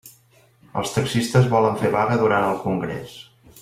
Els taxistes volen fer vaga durant el congrés.